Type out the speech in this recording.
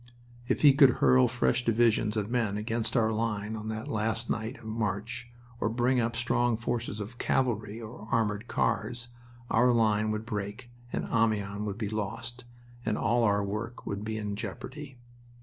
If he could hurl fresh divisions of men against our line on that last night of March, or bring up strong forces of cavalry, or armored cars, our line would break and Amiens would be lost, and all our work would be in jeopardy.